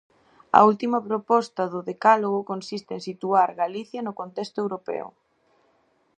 A última proposta do decálogo consiste en situar Galicia no contexto europeo.